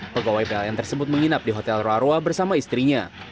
pegawai pln tersebut menginap di hotel roa roa bersama istrinya